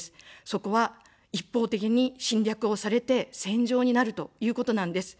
そこは、一方的に侵略をされて戦場になるということなんです。